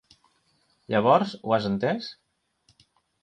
Llavors, ho has entès?